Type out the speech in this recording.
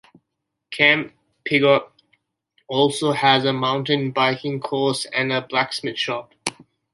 Camp Pigott also has a mountain biking course and a blacksmith shop.